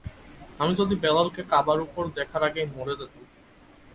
আমি যদি বেলালকে কাবার উপর দেখার আগেই মরে যেতাম।